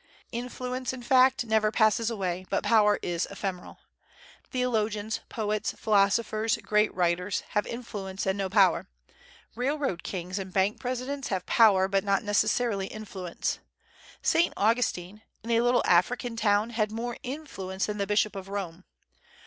Influence, in fact, never passes away, but power is ephemeral. Theologians, poets, philosophers, great writers, have influence and no power; railroad kings and bank presidents have power but not necessarily influence. Saint Augustine, in a little African town, had more influence than the bishop of Rome.